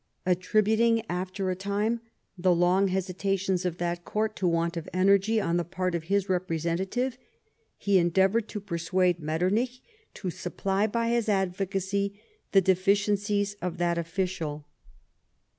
Attributing, after a time, the long hesitations of that Court to want of energy on the part of his representative, he endeavoured to persuade Metternich to supply by his advocacy the deficiencies of that official.